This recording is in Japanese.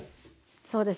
そうですね